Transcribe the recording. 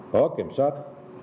có kiểm soát